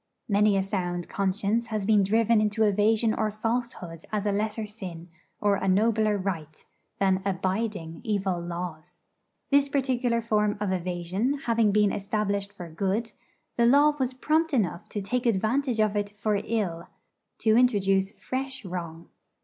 Many a sound conscience has been driven into evasion or falsehood as a lesser sin, or a nobler right, than 'abiding' evil laws. This particular form of evasion having been established for good, the Law was prompt enough to take advantage of it for ill, to introduce fresh wrong.